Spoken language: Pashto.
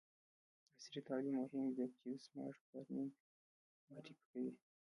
عصري تعلیم مهم دی ځکه چې د سمارټ فارمینګ معرفي کوي.